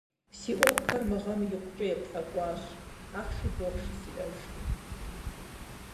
Си ӏуэхухэр мы гъэм икъукӏэ еплӏэкӏуащ, ахъши бохъши сиӏэжкъым.